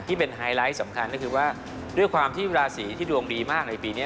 ไฮไลท์สำคัญก็คือว่าด้วยความที่ราศีที่ดวงดีมากในปีนี้